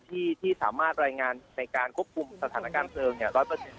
ที่สามารถรายงานในการควบคุมสถานการณ์เบลอร์๑๐๐